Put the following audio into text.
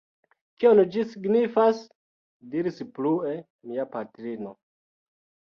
Kion ĝi signifas? diris plue mia patrino.